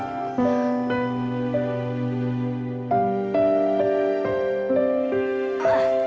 terima kasih ibu